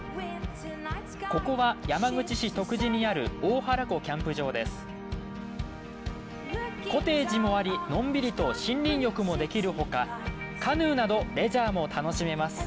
ここは山口市徳地にあるコテージもありのんびりと森林浴もできるほかカヌーなどレジャーも楽しめます。